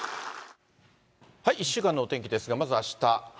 １週間のお天気ですが、まずあした。